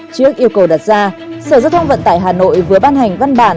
trước yêu cầu đặt ra sở giao thông vận tải hà nội vừa ban hành văn bản